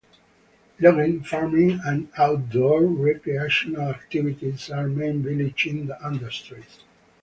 Logging, farming and outdoor recreational activities are main village industries.